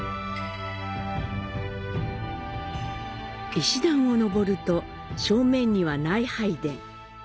石段を上ると正面には「内拝殿」。